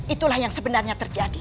itulah yang sebenarnya terjadi